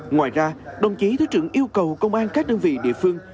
ngoài ra đồng chí thứ trưởng yêu cầu công an các đơn vị địa phương